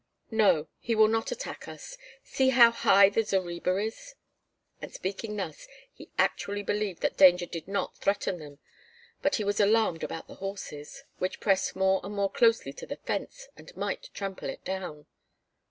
"No, he will not attack us. See how high the zareba is." And speaking thus, he actually believed that danger did not threaten them, but he was alarmed about the horses, which pressed more and more closely to the fence and might trample it down.